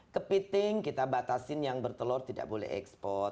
kepiting kita batasin yang bertelur tidak boleh ekspor